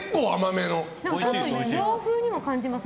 洋風にも感じません？